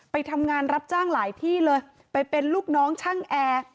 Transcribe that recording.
ไปทำงานรับจ้างหลายที่เลยไปเป็นลูกน้องช่างแอร์